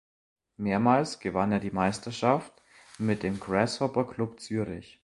Mehrmals gewann er die Meisterschaft mit dem Grasshopper Club Zürich.